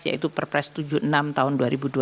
yaitu perpres tujuh puluh enam tahun dua ribu dua puluh